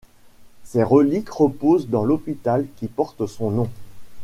Ses reliques reposent dans l'hôpital qui porte son nom.